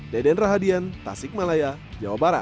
deden rahadian tasik malaya jawa barat